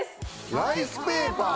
ライスペーパー！